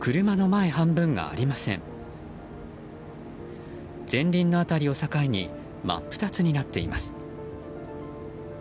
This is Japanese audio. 前輪の辺りを境に真っ二つになっています。